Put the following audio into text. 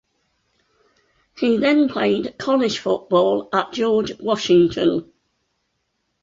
He then played college football at George Washington.